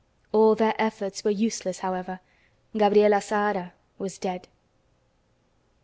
All their efforts were useless, however. Gabriela Zahara was dead.